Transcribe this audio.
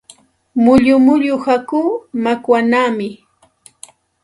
Mullu mullu hakuu makwanaami.